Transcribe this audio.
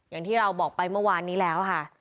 อย่างที่เราบอกไปเมื่อวานนี้แล้วค่ะ